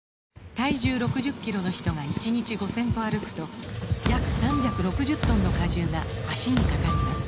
体重６０キロの人が１日５０００歩歩くと約３６０トンの荷重が脚にかかります